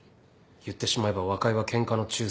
言ってしまえば和解はケンカの仲裁。